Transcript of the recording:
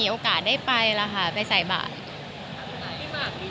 คุณก็ไม่รู้อาจจะถืออะไรอย่างนี้